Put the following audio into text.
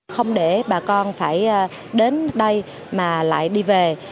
không để bà con phải đến đây mà lại đi về